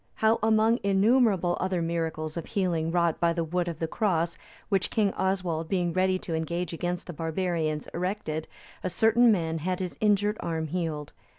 How, among innumerable other miracles of healing wrought by the wood of the cross, which King Oswald, being ready to engage against the barbarians, erected, a certain man had his injured arm healed.